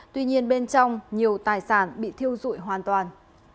tuy nhiên bên trong nhiều tài sản bị thiêu dụi hoàn toàn